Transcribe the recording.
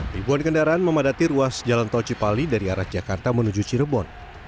ribuan kendaraan memadati ruas jalan tol cipali dari arah jakarta menuju cirebon